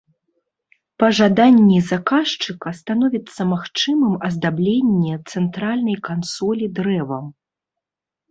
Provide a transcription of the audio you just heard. Па жаданні заказчыка становіцца магчымым аздабленне цэнтральнай кансолі дрэвам.